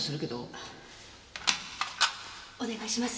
あお願いします。